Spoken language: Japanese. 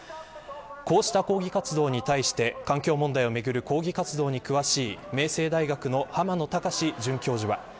こうした抗議活動に対して環境問題をめぐる抗議活動に詳しい明星大学の浜野喬士准教授は。